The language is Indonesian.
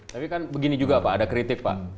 tapi kan begini juga pak ada kritik pak